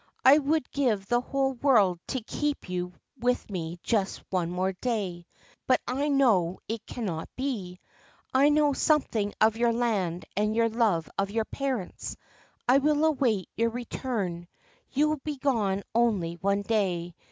I would give the whole world to keep you with me just one more day. But I know it cannot be. I know something of your land and your love of your parents. I will await your return : you will be gone only one day.